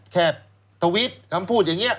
แค่แววที่ทวิต